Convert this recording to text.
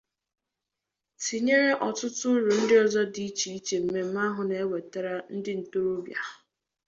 tinyere ọtụtụ uru ndị ọzọ dị iche iche mmemme ahụ na-ewètara ndị ntorobịa.